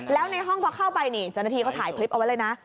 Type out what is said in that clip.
แล้วในห้องพอเข้าไปนี่เจ้าหน้าที่เขาถ่ายคลิปเอาไว้เลยนะ